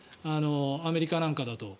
アメリカなんかだと。